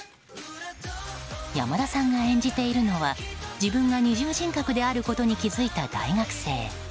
山田さんが演じているのが自分が二重人格であることに気づいた大学生。